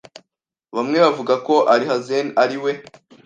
” Bamwe bavuga ko Alhazen ari we